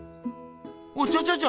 おいちょちょちょ